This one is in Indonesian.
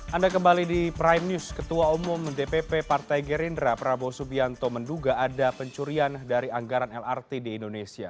anda kembali di prime news ketua umum dpp partai gerindra prabowo subianto menduga ada pencurian dari anggaran lrt di indonesia